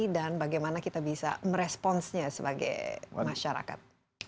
dan bagaimana kita bisa meresponsnya sebagai masyarakat